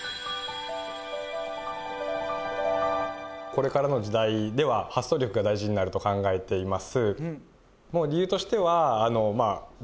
これからの時代では発想力が大事になると考えています。